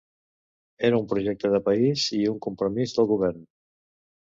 Era un projecte de país i un compromís del govern.